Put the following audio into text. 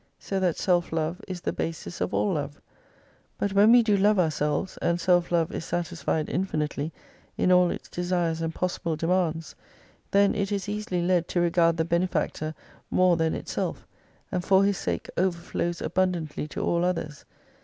So that self love is the basis of all love. But when we do love ourselves, and self love is satisfied infinitely in all its desires and possible demands, then it is easily led to regard the Benefactor more than itself, and for His sake overflows abundantly to all others.